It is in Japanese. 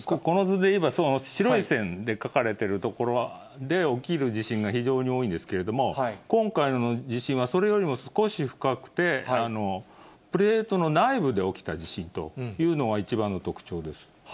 この図でいえば白い線で書かれてる所で起きる地震が非常に多いんですけれども、今回の地震はそれよりも少し深くて、プレートの内部で起きた地震というのが一番の特徴です。